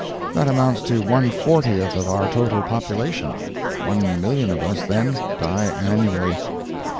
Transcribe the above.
That amounts to one fortieth of our total population. One million of us, then, die annually.